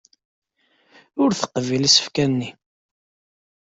Ur teqbil isefka-nni.